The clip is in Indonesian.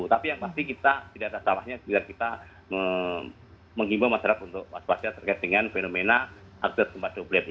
tapi yang pasti kita tidak ada salahnya jika kita mengimba masyarakat untuk waspadai terkait dengan fenomena aktif gempa doble